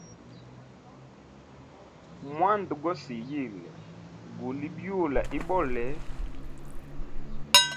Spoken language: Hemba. Mwanda go siyile, guli bi yula ibole.